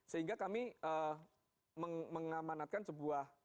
sehingga kami mengamanatkan sebuah anggota dpr